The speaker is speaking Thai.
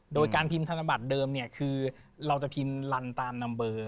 โดยการพิมพ์ธนบัตรเดิมเนี่ยคือเราจะพิมพ์ลันตามนัมเบอร์